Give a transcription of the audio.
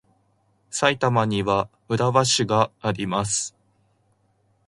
埼玉には浦和市があります。